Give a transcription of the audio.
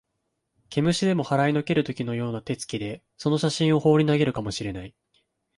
毛虫でも払いのける時のような手つきで、その写真をほうり投げるかも知れない